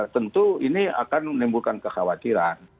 tentu ini akan menimbulkan kekhawatiran